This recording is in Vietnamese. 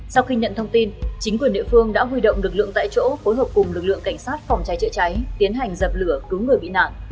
sau khi nhận thông tin chính quyền địa phương đã huy động lực lượng tại chỗ phối hợp cùng lực lượng cảnh sát phòng cháy chữa cháy tiến hành dập lửa cứu người bị nạn